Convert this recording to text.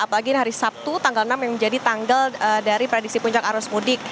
apalagi hari sabtu tanggal enam yang menjadi tanggal dari prediksi puncak arus mudik